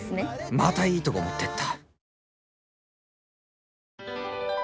またいいとこ持ってった！